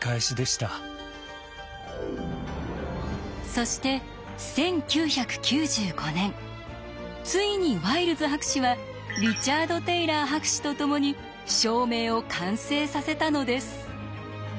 そして１９９５年ついにワイルズ博士はリチャード・テイラー博士と共に証明を完成させたのです。